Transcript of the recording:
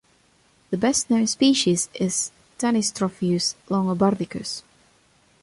The best-known species is "Tanystropheus longobardicus".